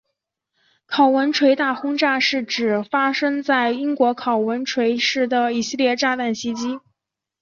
考文垂大轰炸是指发生在英国考文垂市的一系列炸弹袭击。